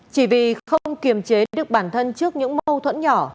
chỉ vì không kiềm chế được bản thân trước những mâu thuẫn nhỏ